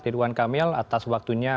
ridwan kamil atas waktunya